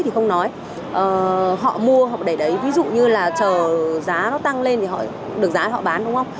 thì không nói họ mua họ để đấy ví dụ như là chờ giá nó tăng lên thì họ được giá họ bán đúng không